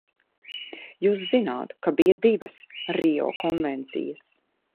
Jūs zināt, ka bija divas Rio konvencijas.